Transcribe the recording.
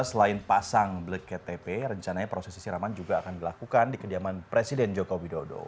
selain pasang black cat tp rencananya proses siraman juga akan dilakukan di kediaman presiden joko widodo